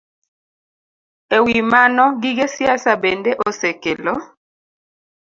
E wi mano, gige siasa bende osekelo